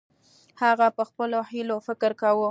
هغه په خپلو هیلو فکر کاوه.